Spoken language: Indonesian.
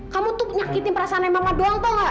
kamu tuh nyakitin perasaan mama doang tau gak